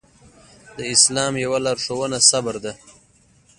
د اسلام يوه لارښوونه صبر ده.